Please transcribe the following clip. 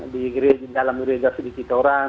di dalam gereja sedikit orang